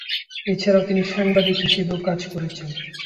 এছাড়া তিনি সাংবাদিক হিসেবেও কাজ করছেন।